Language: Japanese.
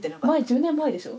１０年前でしょ？